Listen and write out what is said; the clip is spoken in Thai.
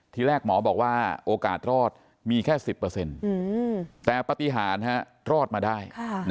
ที่แรกหมอบอกว่าโอกาสรอดมีแค่สิบเปอร์เซ็นต์แต่ปฏิหารรอดมาได้